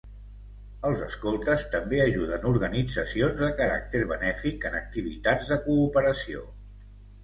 Els escoltes també ajuden organitzacions de caràcter benèfic en activitats de cooperació.